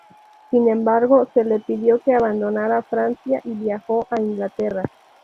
Sin embargo, se le pidió que abandonara Francia, y viajó a Inglaterra.